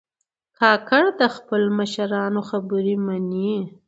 کاکړ د خپلو مشرانو خبرې منې.